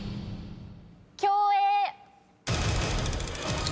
競泳。